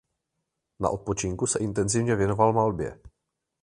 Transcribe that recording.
Na odpočinku se intenzivně věnoval malbě.